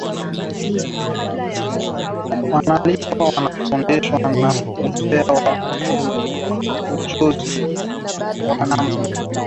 Wanalipwa wanafundishwa na kupewa ujuzi wa namna ya kutoa huduma ya kwanza dharura Pascoe amesema